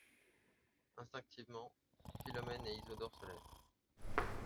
Instinctivement Philomèle et Isidore se lèvent.